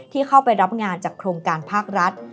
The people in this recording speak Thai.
ที่เข้าไปรับงานจากโครงการภาครัฐ